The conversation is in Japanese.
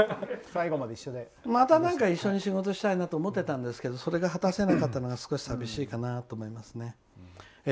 また一緒に仕事したいなと思っていたんですけどそれが果たせなかったのは少し寂しいかなと思います。